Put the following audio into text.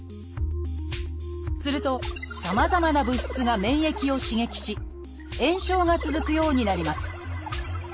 するとさまざまな物質が免疫を刺激し炎症が続くようになります。